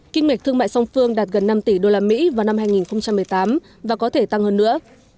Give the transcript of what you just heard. kinh mệch thương mại song phương đạt gần năm tỷ usd vào năm hai nghìn một mươi tám và có thể tăng hơn nữa